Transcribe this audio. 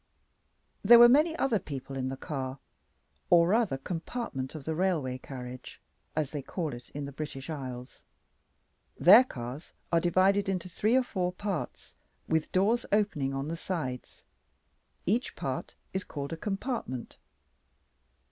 There were many other people in the car, or rather "compartment of the railway carriage," as they call it in the British Isles. Their cars are divided into three or four parts, with doors opening on the sides. Each part is called a compartment.